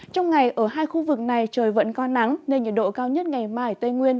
trong ngày ở hai khu vực này trời vẫn có nắng nên nhiệt độ cao nhất ngày mai ở tây nguyên